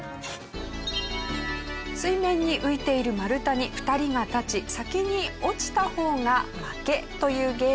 水面に浮いている丸太に２人が立ち先に落ちた方が負けというゲーム。